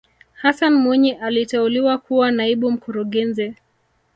hassan mwinyi aliteuliwa kuwa naibu mkurugenzi